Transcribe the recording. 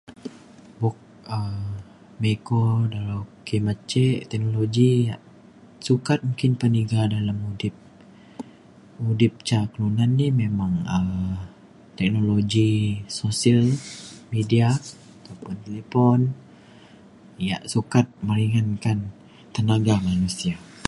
buk um miko dau kimet ce teknologi yak sukat menggin peniga dalem mudip mudip ca kelunan ni memang um teknologi sosial media ataupun talipon yak sukat mainkan tenaga manusia